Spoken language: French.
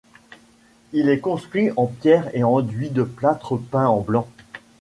Il est construit en pierres et enduit de plâtre peint en blanc.